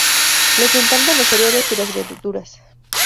Les encantan los cereales y las verduras.